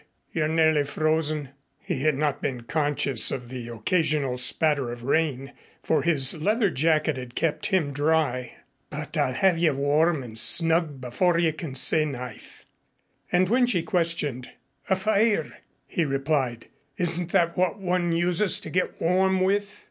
You're nearly frozen." He had not been conscious of the occasional spatter of rain, for his leather jacket had kept him dry. "But I'll have you warm and snug before you can say knife." And when she questioned, "A fire " he replied, "Isn't that what one uses to get warm with?"